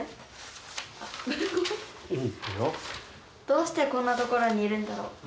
どうしてこんなところにいるんだろう？